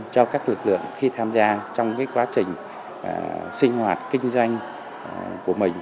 cho các lực lượng khi tham gia trong quá trình sinh hoạt kinh doanh của mình